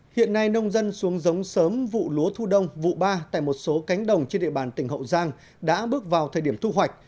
hiện nay nông dân xuống giống sớm vụ lúa thu đông vụ ba tại một số cánh đồng trên địa bàn tỉnh hậu giang đã bước vào thời điểm thu hoạch